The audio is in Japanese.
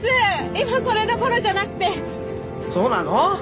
今それどころじゃなくてそうなの？